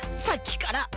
さっきから。